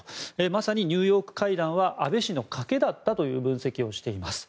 まさにニューヨーク会談は安倍氏の賭けだったという分析をしています。